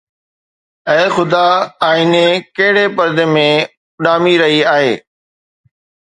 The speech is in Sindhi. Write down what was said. اي خدا، آئيني ڪهڙي پردي ۾ اڏامي رهي آهي؟